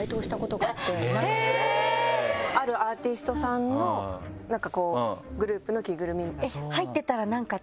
あるアーティストさんのなんかこうグループの着ぐるみ。